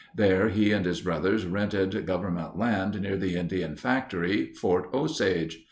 There he and his brothers rented government land near the Indian Factory, Fort Osage.